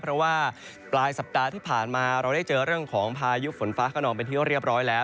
เพราะว่าปลายสัปดาห์ที่ผ่านมาเราได้เจอเรื่องของพายุฝนฟ้าขนองเป็นที่เรียบร้อยแล้ว